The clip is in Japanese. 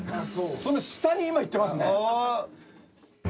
その下に今行ってますね。